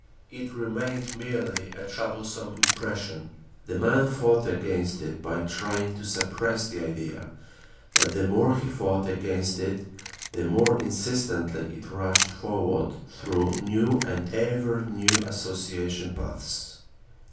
It remained merely a troublesome impression. The man fought against it by trying to suppress the idea but the more he fought against it, the more insistently it rushed forward through new and ever new association paths.